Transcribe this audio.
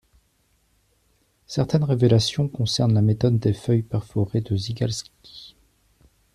Certaines révélations concernent la méthode des feuilles perforées de Zygalski.